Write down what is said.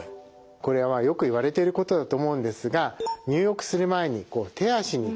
これはよく言われていることだと思うんですが入浴する前に手足にかけ湯をしてください。